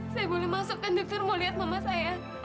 saya boleh masukkan dokter mau lihat mama saya